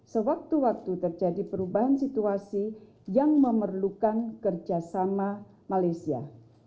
sewaktu waktu terjadi perubahan situasi yang memerlukan kerjasama malaysia